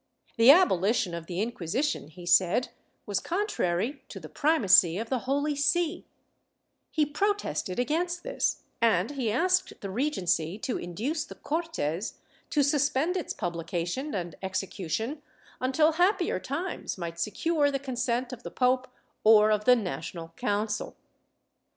The abolition of the Inquisition, he said, was contrary to the primacy of the Holy See ; he protested against this and he asked the Regency to induce the Cortes to suspend its publication and execution until happier times might secure the consent of the pope or of the National Council.